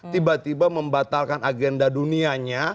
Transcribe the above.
tiba tiba membatalkan agenda dunianya